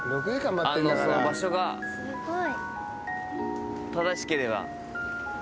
あのその場所が正しければ。